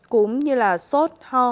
cúm như là sốt ho